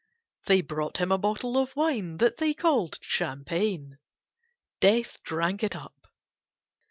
They brought him a bottle of wine that they called champagne. Death drank it up.